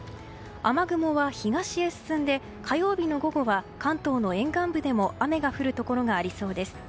雨雲は東へ進んで火曜日の午後は関東の沿岸部でも雨が降るところがありそうです。